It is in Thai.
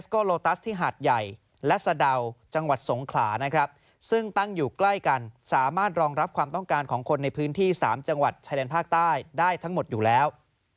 ชายแดนภาคใต้ได้ทั้งหมดอยู่แล้ว